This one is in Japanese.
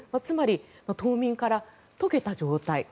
つまり冬眠から解けた状態